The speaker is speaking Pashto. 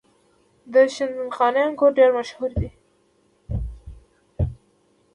د شندخاني انګور ډیر مشهور دي.